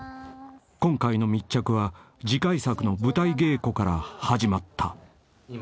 ［今回の密着は次回作の舞台稽古から始まった］